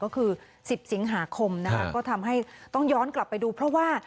ก็คือ๑๐สิงหาคมนะคะก็ทำให้ต้องย้อนกลับไปดูเพราะว่า